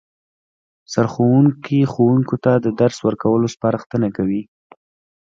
سرښوونکی ښوونکو ته د درس ورکولو سپارښتنه کوي